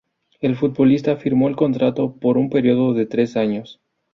El futbolista firmó el contrato por un periodo de tres años.